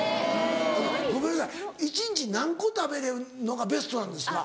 ごめんなさい一日何個食べるのがベストなんですか？